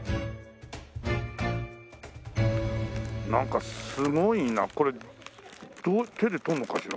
なんかすごいなこれどう手で取るのかしら？